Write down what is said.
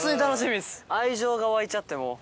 愛情が湧いちゃってもう。